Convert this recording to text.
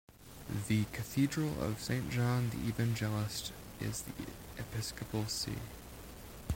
The Cathedral of Saint John the Evangelist is the episcopal see.